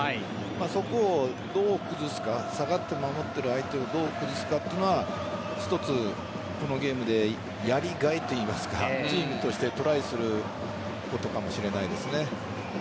そこをどう崩すか下がって守っている相手をどう崩すかというのは一つ、このゲームでやりがいといいますかチームとしてトライすることかもしれないですね。